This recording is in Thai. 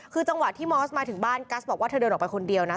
คือจังหวะที่มอสมาถึงบ้านกัสบอกว่าเธอเดินออกไปคนเดียวนะ